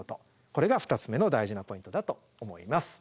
これが２つ目の大事なポイントだと思います。